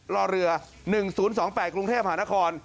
รอเรือหนึ่งศูนย์สองแปดกรุงเทพฯหานคร